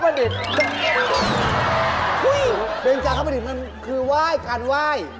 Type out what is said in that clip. มันนั่นอย่างความจริงคือว่ายการว่าย